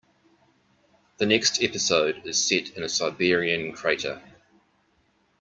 The next episode is set in a Siberian crater.